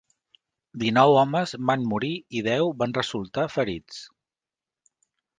Dinou homes van morir i deu van resultar ferits.